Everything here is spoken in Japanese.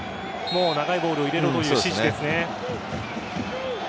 もう長いボールを入れろという指示ですね。